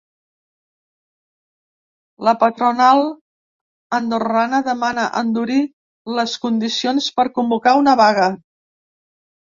La patronal andorrana demana endurir les condicions per convocar una vaga.